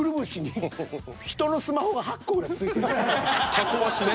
たこ足ね。